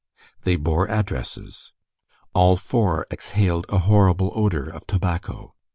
They bore addresses. All four exhaled a horrible odor of tobacco.